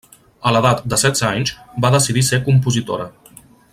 A l'edat de setze anys va decidir ser compositora.